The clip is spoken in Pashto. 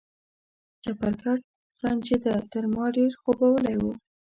چپرکټ غرنجېده، تر ما ډېر خوبولی و.